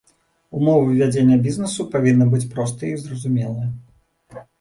Умовы вядзення бізнесу павінны быць простыя і зразумелыя.